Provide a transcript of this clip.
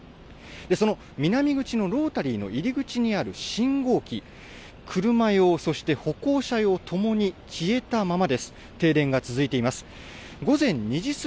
その南口のロータリーの入り口にある信号機、車用、そして歩行者用ともに消えたままです。